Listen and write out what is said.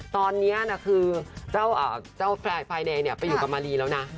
ตอนนี้คือเจ้าไฟล์เดย์ไปอยู่กับมารีแล้วนะ